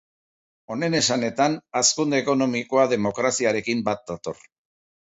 Honen esanetan, hazkunde ekonomikoa demokraziarekin bat dator.